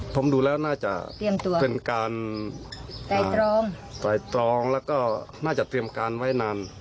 ผมดูแล้วน่าจะเป็นการใส่ตรองและก็น่าจะเตรียมการไว้นาน